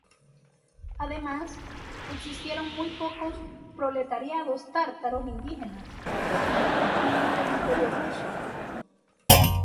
Además, existieron muy pocos proletarios tártaros indígenas, debido al dominio del Imperio ruso.